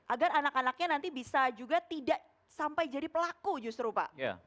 agar anak anaknya nanti bisa juga tidak sampai jadi pelaku justru pak